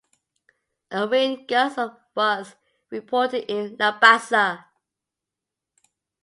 A wind gust of was reported in Labasa.